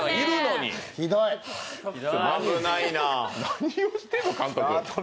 何をしてんの、監督。